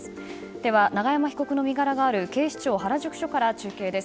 では、永山被告の身柄がある警視庁原宿署から中継です。